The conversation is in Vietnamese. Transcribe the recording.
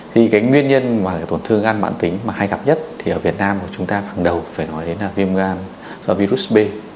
thì cái nguyên nhân mà để tổn thương gan mãn tính mà hay gặp nhất thì ở việt nam của chúng ta hàng đầu phải nói đến là viêm gan do virus b